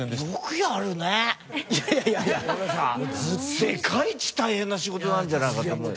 世界一大変な仕事なんじゃないかと思うよ。